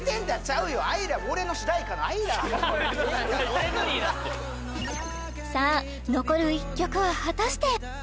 俺のになってるさあ残る１曲は果たして？